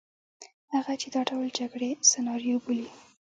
هغه چې دا ډول جګړې سناریو بولي.